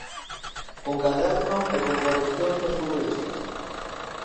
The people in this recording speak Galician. Con caderno e con correccións aos futbolistas.